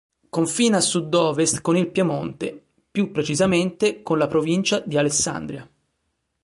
Confina a sud-ovest con il Piemonte, più precisamente con la provincia di Alessandria.